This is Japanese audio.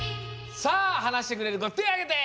さあはなしてくれるこてあげて！